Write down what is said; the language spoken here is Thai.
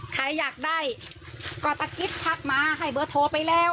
ใครอยากได้ก็ตะกิ๊บทักมาให้เบอร์โทรไปแล้ว